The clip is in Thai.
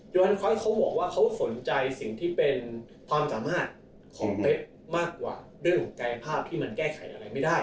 วันคอยสเขาบอกว่าเขาสนใจสิ่งที่เป็นความสามารถของเป๊กมากกว่าเรื่องของกายภาพที่มันแก้ไขอะไรไม่ได้